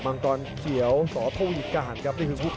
มันกำเท่าที่เขาซ้ายมันกำเท่าที่เขาซ้าย